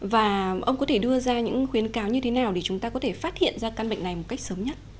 và ông có thể đưa ra những khuyến cáo như thế nào để chúng ta có thể phát hiện ra căn bệnh này một cách sớm nhất